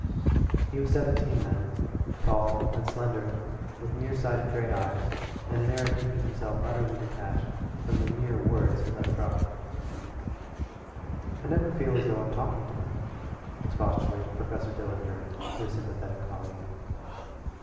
He was seventeen then, tall and slender, with near sighted gray eyes and an air of keeping himself utterly detached from the mere words he let drop. "I never feel as though I'm talking to him," expostulated Professor Dillinger to a sympathetic colleague.